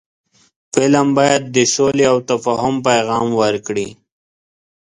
فلم باید د سولې او تفاهم پیغام ورکړي